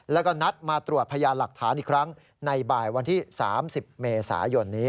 แล้วก็นัดมาตรวจพยานหลักฐานอีกครั้งในบ่ายวันที่๓๐เมษายนนี้